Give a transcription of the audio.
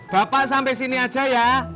bapak sampai sini aja ya